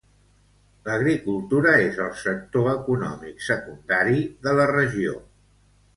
L'agricultura és el sector econòmic secundari de la regió.